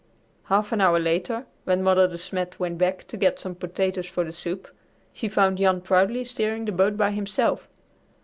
Half an hour later, when Mother De Smet went back to get some potatoes for the soup, she found Jan proudly steering the boat by himself.